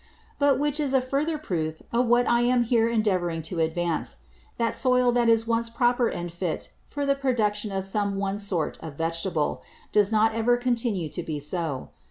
But, which is a further Proof of what I am here endeavouring to advance, that Soil that is once proper and fit for the Production of some one sort of Vegetable, does not ever continue to be so.